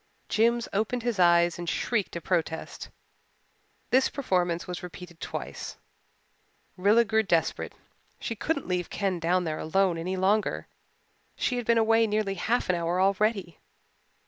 Jims opened his eyes and shrieked a protest. This performance was repeated twice. Rilla grew desperate. She couldn't leave Ken down there alone any longer she had been away nearly half an hour already.